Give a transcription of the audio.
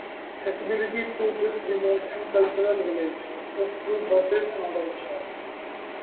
Accessibility to this remote and cultural village is through buses and auto rickshaws.